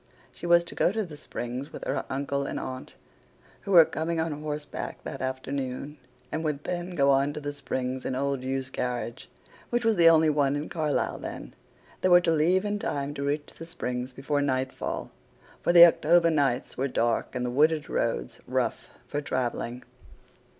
She was to go to The Springs with her uncle and aunt, who were coming on horseback that afternoon, and would then go on to The Springs in old Hugh's carriage, which was the only one in Carlyle then. They were to leave in time to reach The Springs before nightfall, for the October nights were dark and the wooded roads rough for travelling.